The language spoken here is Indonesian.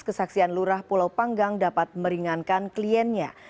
kesaksian lurah pulau panggang dapat meringankan kliennya